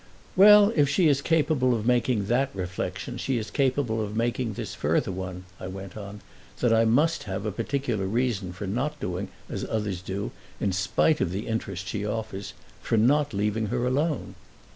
"Well, if she is capable of making that reflection she is capable of making this further one," I went on: "that I must have a particular reason for not doing as others do, in spite of the interest she offers for not leaving her alone."